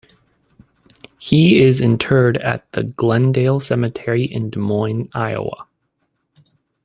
He is interred at the Glendale cemetery in Des Moines, Iowa.